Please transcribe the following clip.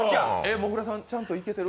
もぐらさん、ちゃんといけてる？